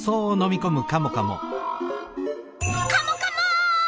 カモカモ！